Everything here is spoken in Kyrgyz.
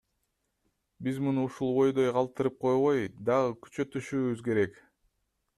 Биз муну ушул бойдон калтырып койбой, дагы күчөтүшүбүз керек.